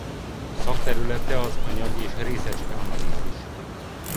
Szakterülete az anyag- és részecske-analízis.